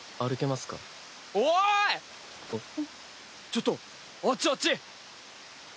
ちょっとあっちあっち。